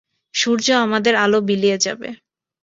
সূর্য আমাদের আলো বিলিয়ে যাবে।